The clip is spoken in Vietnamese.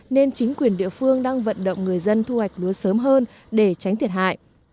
nên chính quyền địa phương đang vận động người dân thu hoạch lúa sớm hơn để tránh thiệt hại